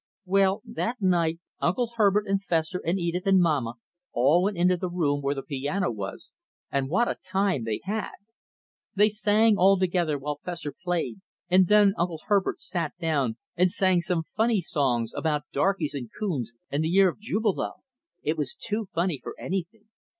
Well, that night Uncle Herbert and Fessor and Edith and Mamma all went into the room where the piano was, and what a time they had! They sang all together while Fessor played, and then Uncle Herbert sat down and sang some funny songs about darkies and coons and "The Year of Jubilo." It was too funny for anything.